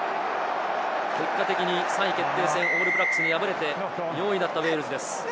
結果的に３位決定戦、オールブラックスに敗れて４位だったウェールズです。